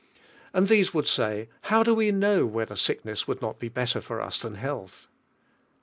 And these would say, "How ilu we know whether sickness would not be bettor for us than health?"